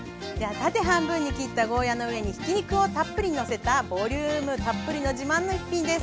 縦半分に切ったゴーヤーの上にひき肉をたっぷりのせたボリュームたっぷりの自慢の一品です。